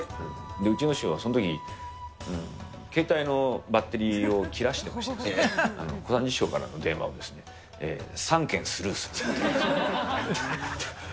うちの師匠はそのとき、携帯のバッテリーを切らしてましてですね、小三治師匠からの電話を３件スルーするという。